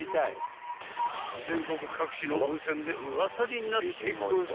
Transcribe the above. ［全国各地の温泉でウワサになってござい］